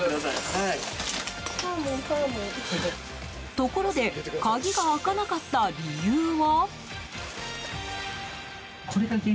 ところで鍵が開かなかった理由は。